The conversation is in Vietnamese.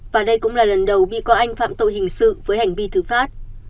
và đây cũng là lần đầu bị cáo anh phạm tội hình sự với hành vi thứ phát